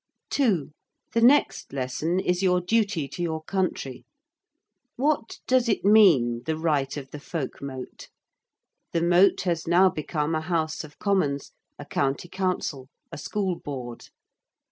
2. The next lesson is your duty to your country. What does it mean, the right of the Folk Mote? The Mote has now become a House of Commons, a County Council, a School Board.